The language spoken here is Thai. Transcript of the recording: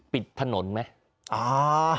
ปิดถนนไหม